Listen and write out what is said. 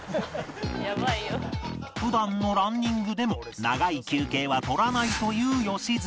普段のランニングでも長い休憩は取らないという良純